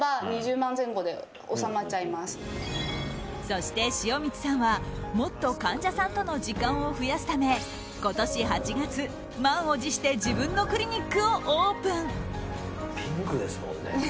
そして塩満さんは、もっと患者さんとの時間を増やすため今年８月、満を持して自分のクリニックをオープン。